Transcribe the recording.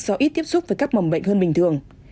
do ít tiếp xúc với các mầm bệnh hơn bình thường